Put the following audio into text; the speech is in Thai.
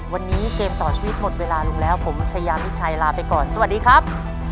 วันนี้เกมต่อชีวิตหมดเวลาลงแล้วผมชายามิดชัยลาไปก่อนสวัสดีครับ